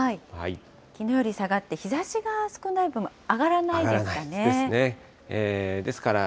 きのうより下がって、日ざしが少ない分、上がらないですかね。